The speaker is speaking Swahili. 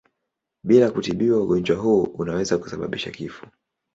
Bila kutibiwa ugonjwa huu unaweza kusababisha kifo.